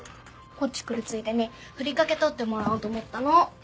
こっち来るついでにふりかけ取ってもらおうと思ったの。